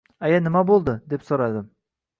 Aya, nima boʻldi? – deb soʻradim.